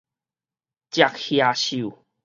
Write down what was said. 食蟻獸